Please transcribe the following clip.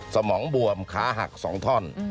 สมองบวมขาหัก๒ท่อน